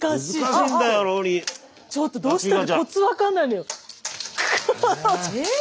ちょっとどうしてもコツ分かんないのよ。くっ。